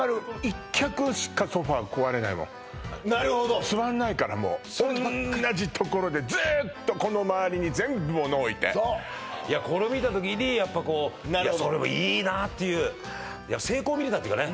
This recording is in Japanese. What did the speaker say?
１脚しかソファ壊れないもんなるほど座らないからもう同じところでずーっとこの周りに全部もの置いていやこれ見たときにやっぱこうそれもいいなっていう成功を見れたっていうかね